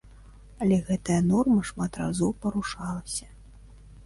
Але гэтая норма шмат разоў парушалася.